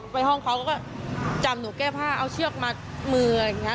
ไปห้องเขาก็จำหนูแก้ผ้าเอาเชือกมัดมืออะไรอย่างนี้